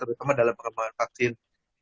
terutama dalam pengembangan vaksin